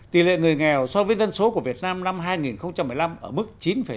tỷ lệ người nghèo so với dân số của việt nam năm hai nghìn một mươi năm ở mức chín sáu